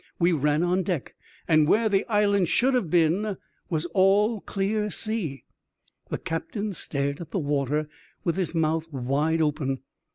We ran on deck, and where the island should have been was all clear sea. The captain stared at the water, with his mouth wide open.